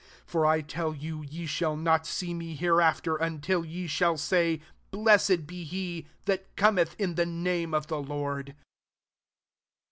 * 39 For I tell you, Ye shall not see me hereafter, until ye shall say, * Blessed be he that cometh in the name of the Lord.